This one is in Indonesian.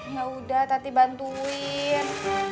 ya udah tati bantuin